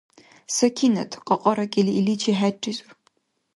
Сакинат, кьакьаракӀили, иличи хӀерризур.